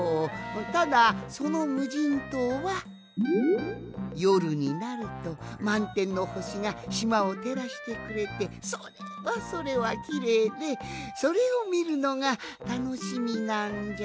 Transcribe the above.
ただそのむじんとうはよるになるとまんてんのほしがしまをてらしてくれてそれはそれはきれいでそれをみるのがたのしみなんじゃが。